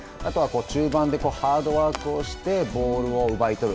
中盤でハードワークをしてボールを奪い取る。